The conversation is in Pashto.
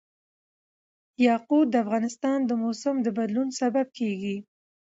یاقوت د افغانستان د موسم د بدلون سبب کېږي.